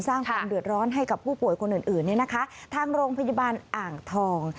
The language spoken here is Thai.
สร้างความเดือดร้อนให้กับผู้ป่วยคนอื่นอื่นเนี่ยนะคะทางโรงพยาบาลอ่างทอง